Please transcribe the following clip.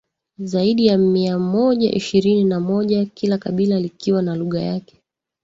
zaidi ya mia moja ishirini na moja kila kabila likiwa na lugha yake